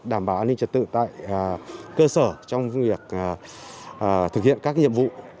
đảm bảo an ninh trật tự tại cơ sở trong việc thực hiện các nhiệm vụ